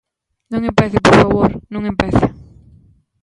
Non empece por favor, non empece.